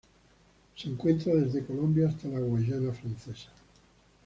Se encuentra desde Colombia hasta la Guayana Francesa.